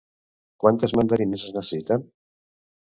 Quantes mandarines es necessiten?